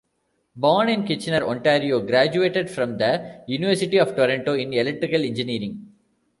Born in Kitchener, Ontario, graduated from the University of Toronto in electrical engineering.